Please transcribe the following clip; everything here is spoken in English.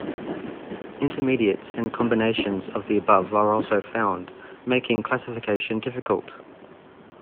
Intermediates and combinations of the above are also found, making classification difficult.